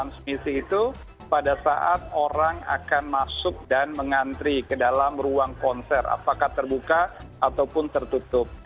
transmisi itu pada saat orang akan masuk dan mengantri ke dalam ruang konser apakah terbuka ataupun tertutup